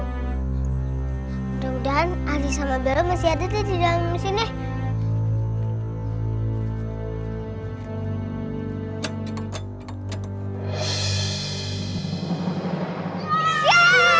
mudah mudahan ahli sama bero masih ada di dalam musim ini